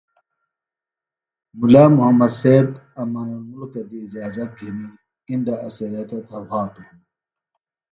ملا محمد سید امان المکہ دی اِجازت گِھنی اندہ اڅھریتہ تھےۡ وھاتوۡ ہِنوۡ